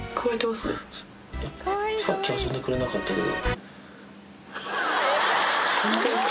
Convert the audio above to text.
さっき遊んでくれなかったけど。